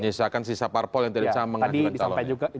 menyisakan sisa parpol yang tidak bisa mengajukan calon